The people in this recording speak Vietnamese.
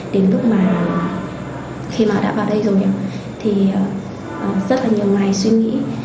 đến lúc mà khi mà đã vào đây rồi thì rất là nhiều ngày suy nghĩ